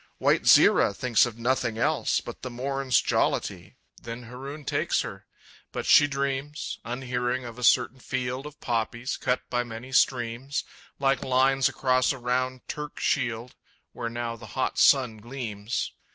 White Zira thinks of nothing else But the morn's jollity "Then Haroun takes her!" But she dreams, Unhearing, of a certain field Of poppies, cut by many streams, Like lines across a round Turk shield, Where now the hot sun gleams.